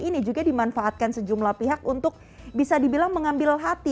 ini juga dimanfaatkan sejumlah pihak untuk bisa dibilang mengambil hati